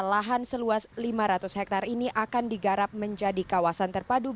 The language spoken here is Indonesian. lahan seluas lima ratus hektare ini akan digarap menjadi kawasan terpadu